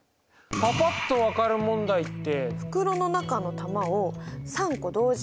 パパっと分かる問題って。